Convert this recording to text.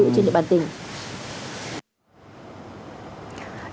trên địa bàn tỉnh